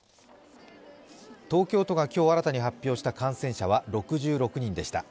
東京都が今日新たに発表した感染者は６６人でした。